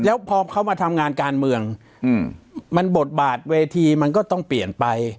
แล้วพอเขามาทำงานการเมืองมันบทบาทเวทีมันก็ต้องเปลี่ยนไป